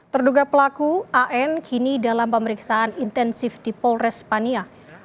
terduga pelaku an kini dalam pemeriksaan intensif di polres pania